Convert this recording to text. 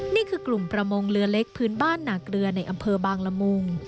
นี่คือกลุ่มประมงเรือเล็กพื้นบ้านนาเกลือในอำเภอบางละมุง